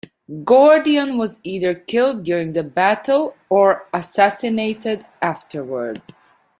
Gordian was either killed during the battle or assassinated afterwards.